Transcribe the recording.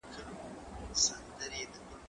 زه پرون کتابتوننۍ سره وخت تېره کړی!؟